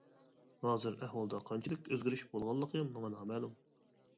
ھازىر ئەھۋالدا قانچىلىك ئۆزگىرىش بولغانلىقى ماڭا نامەلۇم.